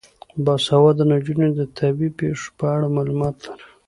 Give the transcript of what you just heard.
باسواده نجونې د طبیعي پیښو په اړه معلومات لري.